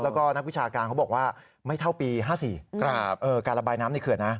แล้วก็นักวิชาการเขาบอกว่าไม่เท่าปี๕๔การระบายน้ำในเขื่อนนะ